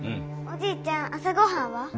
おじいちゃん朝ごはんは？